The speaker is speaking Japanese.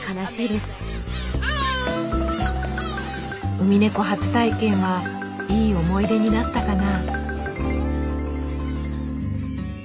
ウミネコ初体験はいい思い出になったかな？